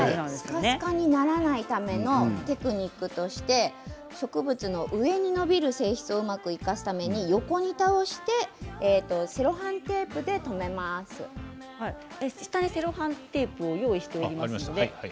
すかすかにならないためのテクニックとして植物の上に伸びる性質を生かして横に倒してセロハンテープで下にセロハンテープを用意してあります。